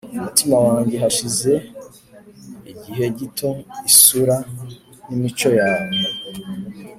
umutima wange hashize igihe gito isura nimico yawe